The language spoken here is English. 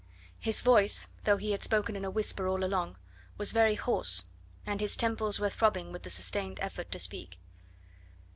His voice, though he had spoken in a whisper all along, was very hoarse, and his temples were throbbing with the sustained effort to speak.